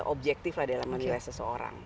objektif lah dalam menilai seseorang